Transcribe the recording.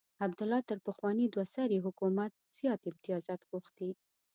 عبدالله تر پخواني دوه سري حکومت زیات امتیازات غوښتي.